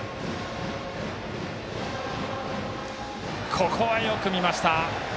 ここは、よく見ました。